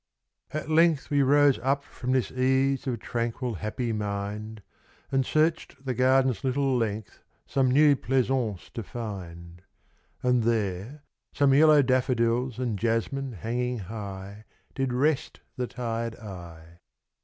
At length we rose up from this ease Of tranquil happy mind, And searched the garden's little length Some new pleasaunce to find ; And there, some yellow daffodils and jasmine hanging high Did rest the tired eye.